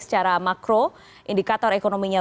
secara makro indikator ekonominya